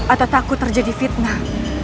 atau takut terjadi fitnah